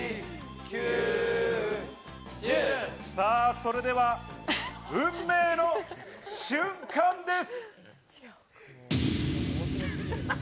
それでは運命の瞬間です！